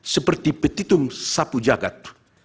seperti petitum sapu jagat